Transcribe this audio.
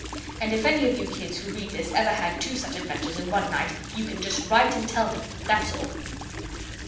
And if any of you kids who read this ever had two such adventures in one night you can just write and tell me. That's all.